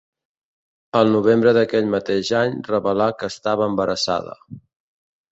El novembre d'aquell mateix any revelà que estava embarassada.